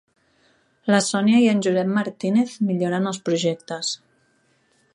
La Sònia i en Josep Martínez milloren els projectes.